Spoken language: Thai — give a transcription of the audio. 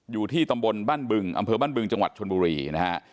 อยู่ที่ตำบลบ้านบึงอำเภอบ้านบึงจังหวัดชนบุรีนะฮะ